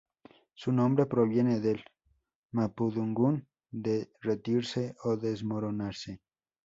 Su nombre proviene del "mapudungún": "derretirse o desmoronarse.